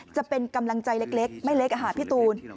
จะเป็นกำลังใจเล็กไม่เล็กพี่ตูน